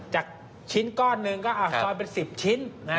จากชิ้นก้อนหนึ่งก็ซอยเป็น๑๐ชิ้น